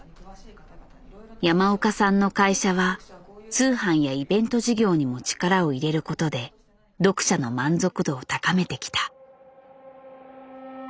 山岡さんの会社は通販やイベント事業にも力を入れることで読者の満足度を高めてきた。